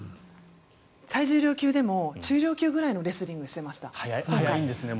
最重量級でも中量級ぐらいのレスリングをしていました。